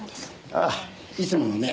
ああいつものね。